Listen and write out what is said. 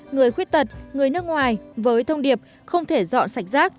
người khuyết tật người nước ngoài với thông điệp không thể dọn sạch rác